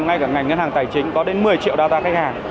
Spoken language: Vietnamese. ngay cả ngành ngân hàng tài chính có đến một mươi triệu data khách hàng